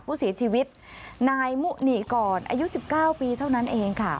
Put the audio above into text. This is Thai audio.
ผู้เสียชีวิตนายมุหนีก่อนอายุ๑๙ปีเท่านั้นเองค่ะ